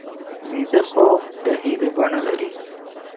ویده خوب د هیلې بڼه لري